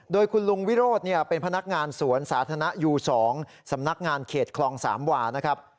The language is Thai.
โดยคุณลุงวิโรธเป็นพนักงานสวนสาธารณะยู๒สำนักงานเขตคลองสามวานะครับ